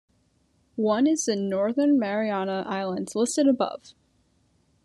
One is the Northern Mariana Islands listed above.